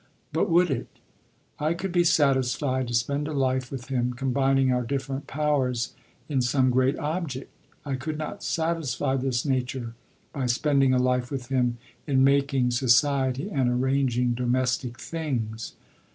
But would it? I could be satisfied to spend a life with him combining our different powers in some great object. I could not satisfy this nature by spending a life with him in making society and arranging domestic things....